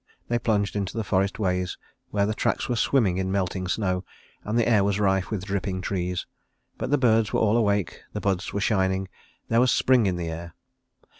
They plunged into the forest ways, where the tracks were swimming in melting snow, and the air was rife with dripping trees. But the birds were all awake, the buds were shining, there was spring in the air.